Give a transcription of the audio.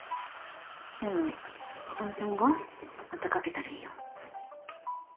でも３分後またかけたらいいよ。